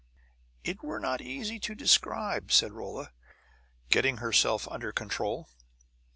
"It were not easy to describe," said Rolla, getting herself under control.